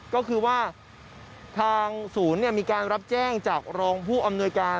ก็คือว่าทางศูนย์มีการรับแจ้งจากรองผู้อำนวยการ